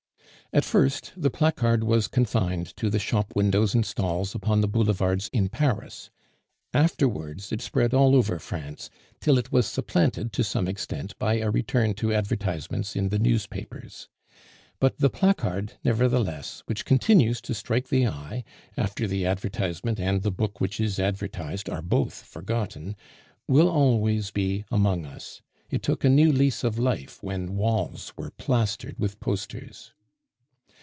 At first the placard was confined to the shop windows and stalls upon the Boulevards in Paris; afterwards it spread all over France, till it was supplanted to some extent by a return to advertisements in the newspapers. But the placard, nevertheless, which continues to strike the eye, after the advertisement and the book which is advertised are both forgotten, will always be among us; it took a new lease of life when walls were plastered with posters.